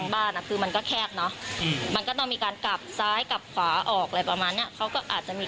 บรรยาศรากรสตรี